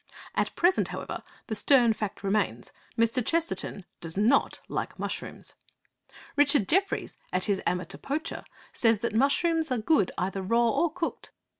At present, however, the stern fact remains. Mr. Chesterton does not like mushrooms. Richard Jefferies, in his Amateur Poacher, says that mushrooms are good either raw or cooked.